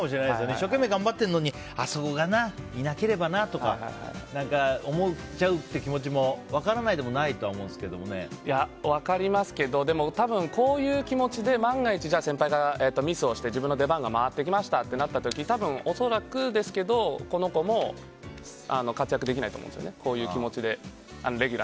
一生懸命頑張ってるのにあそこがいなければなとか思っちゃう気持ちも分からないでもないと分かりますけど、でも多分こういう気持ちで万が一、先輩がミスをして自分の出番が回ってきましたってなった時多分、恐らくですけどこの子も活躍できないと思うんですよね。